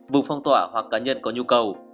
vùng phong tỏa hoặc cá nhân có nhu cầu